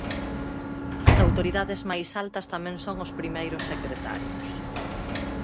As autoridades máis altas tamén son os Primeiros Secretarios.